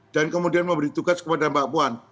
kemudian memberi tugas kepada mbak puan